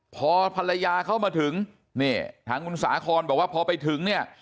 พอภรรยาเข้ามาถึงนี่ทางคุณสาคอนบอกว่าพอไปถึงเนี่ย